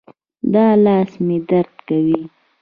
دا لاس مې درد کوي